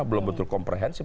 belum betul komprehensif